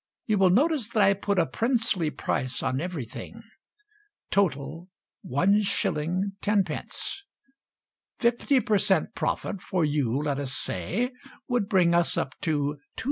(You will notice that I put a princely price on everything), Total, 1s. 10d. Fifty per cent. profit for you, let us say, Would bring us up to 2s.